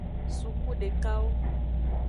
Suku dekawo.